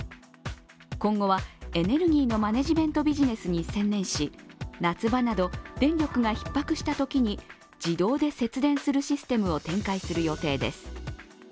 今後はエネルギーのマネジメントビジネスに専念し、夏場など電力がひっ迫したときに自動で節電するシステムを展開する予定です。